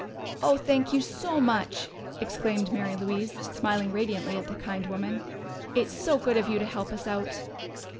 "Oh, thank you so much!" exclaimed Mary Louise, smiling radiantly at the kind woman. "It's so good of you to help us out."